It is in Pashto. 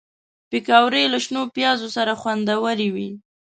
پکورې له شنو پیازو سره خوندورې وي